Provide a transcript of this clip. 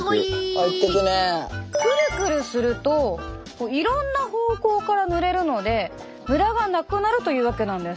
クルクルするといろんな方向から塗れるのでムラがなくなるというわけなんです。